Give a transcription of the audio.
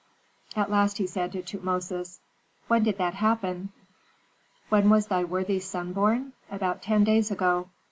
At last he said to Tutmosis, "When did that happen?" "When was thy worthy son born? About ten days ago.